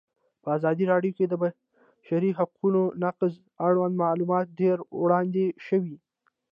په ازادي راډیو کې د د بشري حقونو نقض اړوند معلومات ډېر وړاندې شوي.